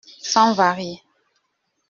Sans varier